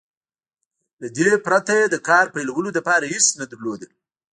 له دې پرته يې د کار پيلولو لپاره هېڅ نه درلودل.